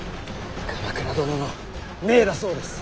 鎌倉殿の命だそうです。